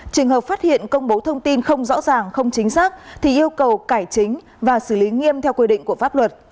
trường hợp phát hiện công bố thông tin không rõ ràng không chính xác thì yêu cầu cải chính và xử lý nghiêm theo quy định của pháp luật